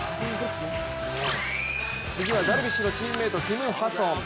次はダルビッシュのチームメート、キム・ハソン。